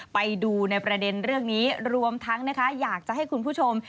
ไปดูในประเด็นเรื่องนี้รวมทั้งนะคะอยากจะให้คุณผู้ชม